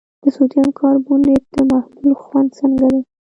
د سوډیم کاربونیټ د محلول خوند څنګه دی؟